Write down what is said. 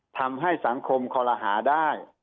ทำให้สังคมคอลหาได้